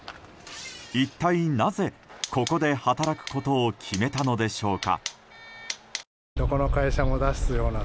一体なぜ、ここで働くことを決めたのでしょうか。